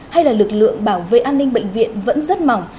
hay là lực lượng bảo vệ an ninh bệnh viện vẫn rất mỏng